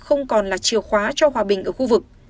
không còn là chiều khóa cho hòa bình ở khu vực